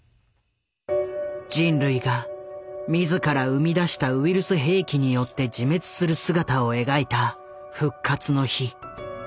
人類が自ら生み出したウイルス兵器によって自滅する姿を描いた「復活の日」。